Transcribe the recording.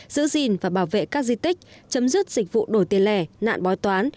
giữ gìn và bảo vệ các di tích chấm dứt dịch vụ đổi tiền lẻ nạn bói toán